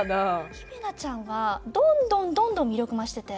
ヒメナちゃんはどんどんどんどん魅力増してて。